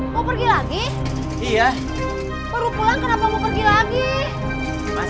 mau pergi lagi